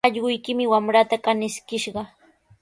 Allquykimi wamraata kaniskishqa.